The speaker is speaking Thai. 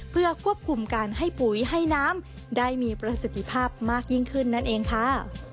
เพื่อควบคุมการให้ปุ๋ยให้น้ำได้มีประสิทธิภาพมากยิ่งขึ้นนั่นเองค่ะ